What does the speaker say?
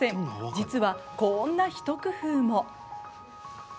実はこんなひと工夫も。